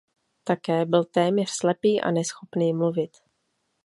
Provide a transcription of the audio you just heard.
Také byl téměř slepý a neschopný mluvit.